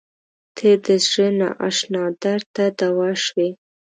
• ته د زړه نااشنا درد ته دوا شوې.